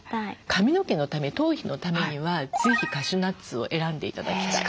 髪の毛のため頭皮のためにはぜひカシューナッツを選んで頂きたい。